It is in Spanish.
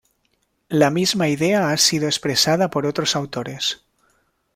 La misma idea ha sido expresada por otros autores.